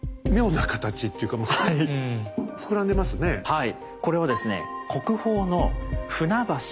はい。